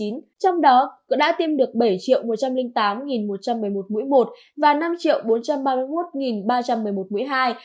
trong đó đã tiêm được bảy một trăm linh tám một trăm một mươi một mũi một và năm bốn trăm ba mươi một ba trăm một mươi một mũi hai